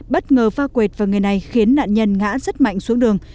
bất ngờ va quệt vào người này khiến nạn nhân ngã rất mạnh xuống đường